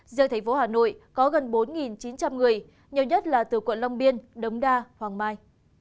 giữa tp hcm có gần bốn chín trăm linh người nhiều nhất là từ quận long biên đống đa hoàng mai